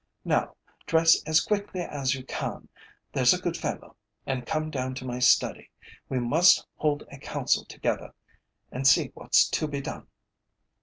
Now, dress as quickly as you can, there's a good fellow, and come down to my study. We must hold a council together, and see what's to be done."